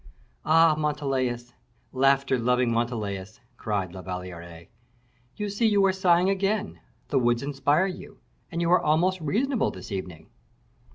"Ah, Montalais, laughter loving Montalais!" cried La Valliere; "you see you are sighing again; the woods inspire you, and you are almost reasonable this evening."